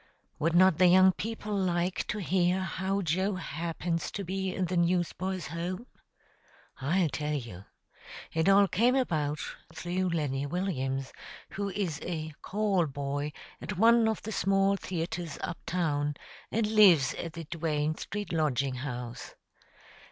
Would not the young people like to hear how Joe happens to be in the Newsboys' Home? I'll tell you. It all came about through Lenny Williams, who is a "call boy" at one of the small theatres up town, and lives at the Duane Street Lodging House.